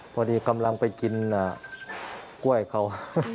พอดีกำลังไปกินกล้วยเขา